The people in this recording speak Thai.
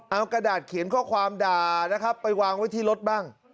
เอากระดาษเขียนข้อความด่าไปวางตรงที่รถบ้าง